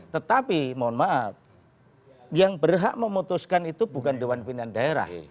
tetapi mohon maaf yang berhak memutuskan itu bukan dewan pimpinan daerah